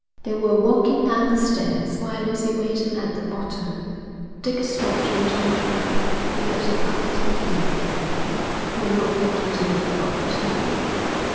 They were walking down the stairs, while Lucy waited at the bottom. Dick stopped and turned round. He looked at Allerton keenly. 'You're not going to do a bolt, are you?'